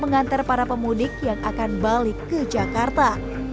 mengantar para pemudik yang akan balik ke jakarta